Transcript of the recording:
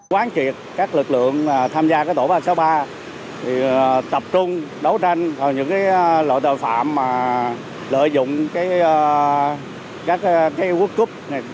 quán triệt các lực lượng tham gia tổ ba trăm sáu mươi ba tập trung đấu tranh vào những loại tội phạm lợi dụng các quốc cúp